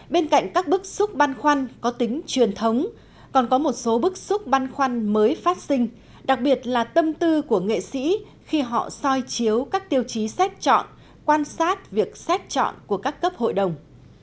bên cạnh các bức xúc ban khoăn có tính truyền thống còn có một số bức xúc ban khoăn mới phát sinh đặc biệt là tâm tư của nghệ sĩ khi họ soi chiếu các tiêu chí xét chọn quan sát việc xét chọn của các cấp hội đồng